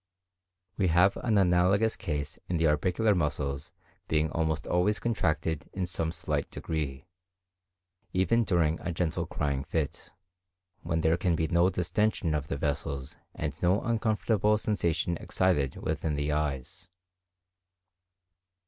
We have an analogous case in the orbicular muscles being almost always contracted in some slight degree, even during a gentle crying fit, when there can be no distension of the vessels and no uncomfortable sensation excited within the eyes.